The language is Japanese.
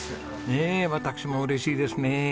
ねえ私も嬉しいですね！